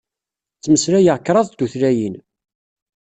Ttmeslayeɣ kraḍ n tutlayin.